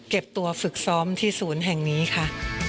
เก็บตัวฝึกซ้อมที่ศูนย์แห่งนี้ค่ะ